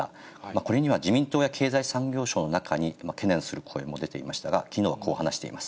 これには自民党や経済産業省の中に、懸念する声も出ていましたが、きのうはこう話しています。